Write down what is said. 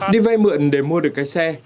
đi vay mượn để mua được cái xe